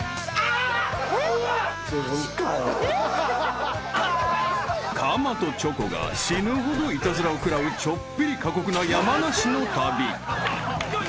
［かまとチョコが死ぬほどイタズラを食らうちょっぴり過酷な山梨の旅］